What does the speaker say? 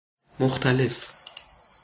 مختلف